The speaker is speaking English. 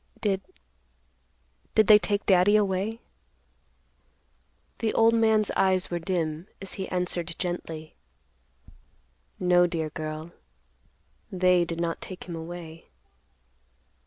Did—did they take Daddy away?" The old man's eyes were dim as he answered gently, "No, dear girl; they did not take him away."